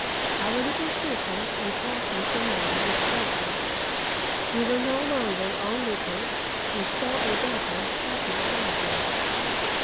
Our little circle, intact until now, was broken. We were no longer onlookers who saw a battle passing around them.